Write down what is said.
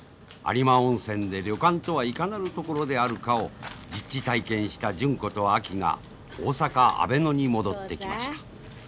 有馬温泉で旅館とはいかなる所であるかを実地体験した純子とあきが大阪・阿倍野に戻ってきました。